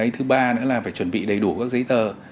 thứ ba nữa là phải chuẩn bị đầy đủ các giấy tờ